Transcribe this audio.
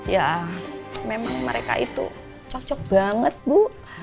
ya memang mereka itu cocok banget bu